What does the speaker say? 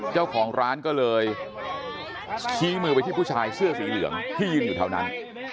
เจ้าของร้านก็เลยชี้มือไปที่ผู้ชายเสื้อสีเหลืองที่ยืนอยู่แถวนั้น